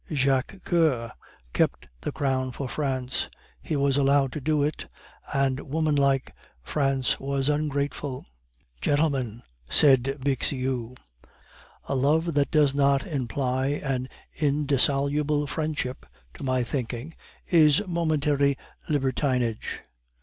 Jacques Coeur kept the crown for France; he was allowed to do it, and woman like, France was ungrateful." "Gentlemen," said Bixiou, "a love that does not imply an indissoluble friendship, to my thinking, is momentary libertinage.